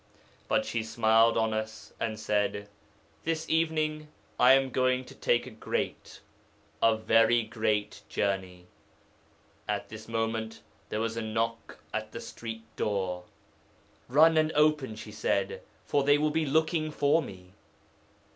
But she smiled on us and said, "This evening I am going to take a great, a very great journey." At this moment there was a knock at the street door. "Run and open," she said, "for they will be looking for me."